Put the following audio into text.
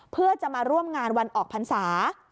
เพื่อจะมาร่วมงานวันออกพรรษา